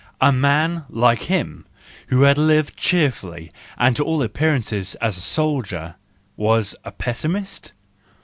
A man like him, who had lived cheerfully and to all appearance as a soldier,— was a pessimist!